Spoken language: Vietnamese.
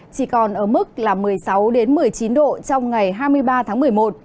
chỉ còn ở mức một mươi sáu một mươi chín độ trong ngày hai mươi ba tháng một mươi một